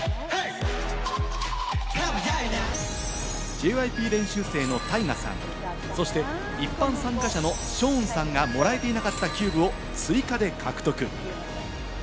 ＪＹＰ練習生のタイガさん、そして一般参加者のショーンさんがもらえていなかったキューブを追加で獲得。